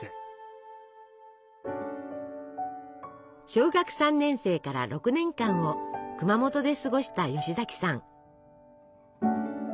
小学３年生から６年間を熊本で過ごした吉崎さん。